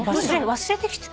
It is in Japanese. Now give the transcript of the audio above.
忘れてきた。